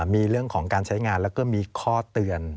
มีเรื่องของการใช้งานแล้วก็มีข้อเตือน